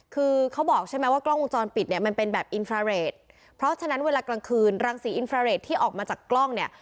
คือเขาบอกใช่ไหมว่ากล้องวงจรปิดเนี่ยมันเป็นแบบอินฟราเรทเพราะฉะนั้นเวลากลางคืนรังสีอินฟราเรทที่ออกมาจากกล้องเนี่ย